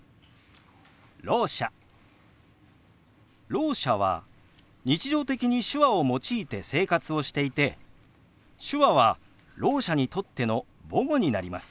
ろう者は日常的に手話を用いて生活をしていて手話はろう者にとっての母語になります。